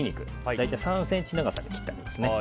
大体３ｃｍ長さに切ってあります。